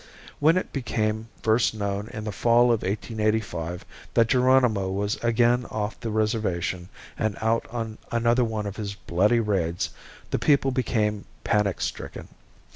When it became known in the fall of 1885 that Geronimo was again off the reservation and out on another one of his bloody raids the people became panic stricken.